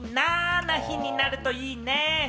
な日になるといいね。